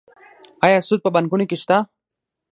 آیا سود په بانکونو کې شته؟